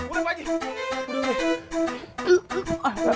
udah be udah be